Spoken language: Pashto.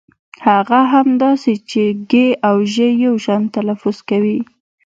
هغه هم داسې چې ږ او ژ يو شان تلفظ کوي.